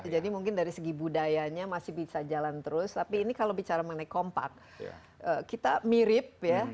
jadi mungkin dari segi budayanya masih bisa jalan terus tapi ini kalau bicara mengenai kompak kita mirip ya